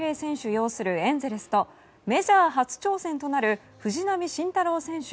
擁するエンゼルスとメジャー初挑戦となる藤浪晋太郎選手